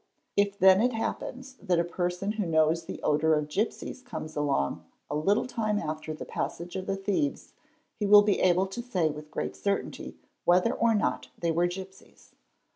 If then it happens that a — person who knows the odour of gipsies comes along a little time after the passage of the thieves he will be able to say with ereat certainty © whether or not they were gipsies.